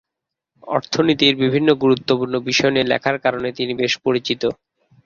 অর্থনীতির বিভিন্ন গুরুত্বপূর্ণ বিষয় নিয়ে লেখার কারণে তিনি বেশ পরিচিত।